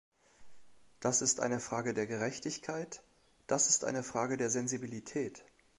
Das ist eine Frage der Gerechtigkeit, das ist eine Frage der Sensibilität.